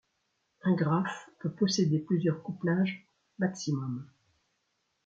Un graphe peut posséder plusieurs couplages maximum.